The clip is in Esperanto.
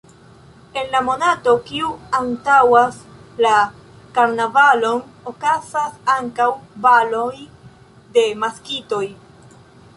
En la monato, kiu antaŭas la karnavalon, okazas ankaŭ baloj de maskitoj.